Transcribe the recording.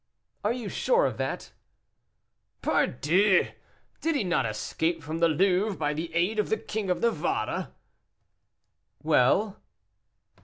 "Are you sure of that?" "Pardieu! did he not escape from the Louvre by the aid of the King of Navarre?" "Well?"